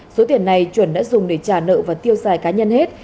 số tiền này chuẩn đã dùng để trả nợ và tiêu xài cá nhân hết